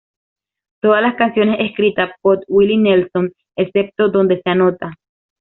Todas las canciones escritas pot Willie Nelson excepto donde se anota.